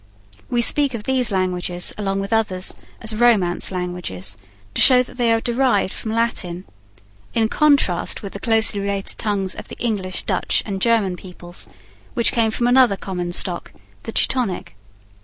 We speak of these languages, along with others, as Romance languages, to show that they are derived from Latin, in contrast with the closely related tongues of the English, Dutch, and German peoples, which came from another common stock, the Teutonic.